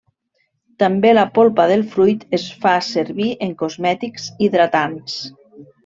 També la polpa del fruit es fa servir en cosmètics hidratants.